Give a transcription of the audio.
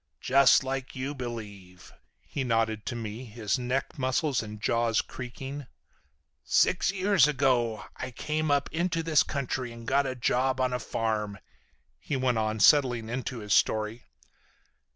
Just like you believe," he nodded to me, his neck muscles and jaws creaking. "Six years ago I came up into this country and got a job on a farm," he went on, settling into his story.